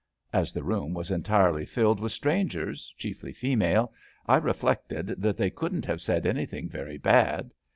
'' As the room was entirely filled with strangers, chiefly female, I reflected that they couldn't have said anything very bad.